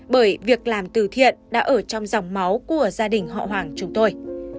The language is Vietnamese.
bởi việc làm từ thiện đã ở trong dòng máu của gia đình họ hoàng chúng tôi